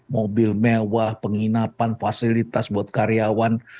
mobil mewah penginapan fasilitas buat karyawan